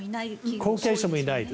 後継者もいないです。